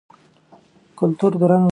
د کلتور رنګونه باید په ټولنه کې پیکه نه سي.